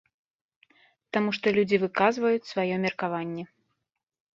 Таму што людзі выказваюць сваё меркаванне.